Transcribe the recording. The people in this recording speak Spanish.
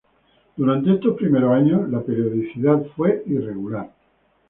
Durante estos primeros años la periodicidad fue irregular.